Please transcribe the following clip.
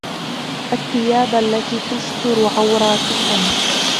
الثِّيَابَ الَّتِي تَسْتُرُ عَوْرَاتِكُمْ